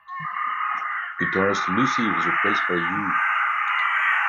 Guitarist Lucy was replaced by Yue.